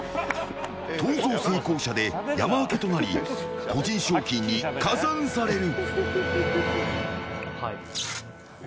逃走成功者で山分けとなり個人賞金に加算される。